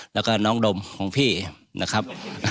แล้วก็น้องดมของพี่นะครับ